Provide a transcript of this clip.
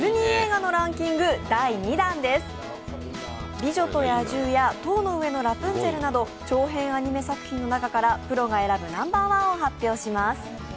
「美女と野獣」や「塔の上のラプンツェル」など長編アニメ作品の中からプロが選ぶナンバーワンを発表します。